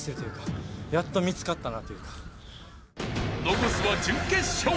［残すは準決勝］